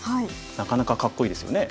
なかなかかっこいいですよね。